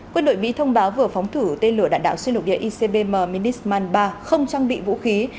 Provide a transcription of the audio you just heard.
quân đội mỹ thông báo vừa phóng thử tên lửa đạn đạo xuyên lục địa icbm minisman ba không trang bị vũ khí